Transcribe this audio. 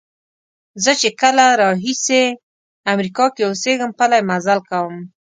زه چې کله راهیسې امریکا کې اوسېږم پلی مزل کوم.